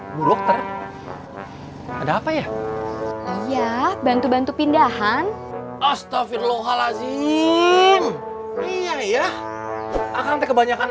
bu dokter ada apa ya iya bantu bantu pindahan astagfirullahaladzim iya ya akan kebanyakan